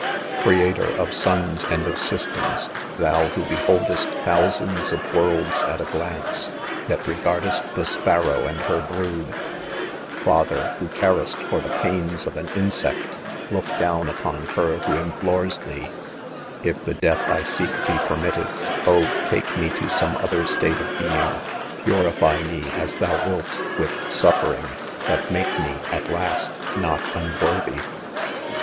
e Creator of suns and of systems, thou who. be holdest thousands of worlds at a, glance, yet re gardest the sparrow and her brood, father who. rarest for the pains of an insect, look down upom kef who implores tkee !'~ ^If the death I seek be permitted., f>h, : take me ta some other stale of being a ' Purify me, m thou wilt, with suffering, but make me? at last \ no$ Unworthy.'